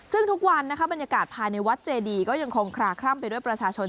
ซึ่งทุกวันนะคะบรรยากาศภายในวัดเจดีก็ยังคงคลาคล่ำไปด้วยประชาชน